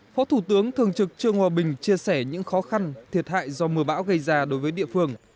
phó thủ tướng thường trực trương hòa bình chia sẻ những khó khăn thiệt hại do mưa bão gây ra đối với địa phương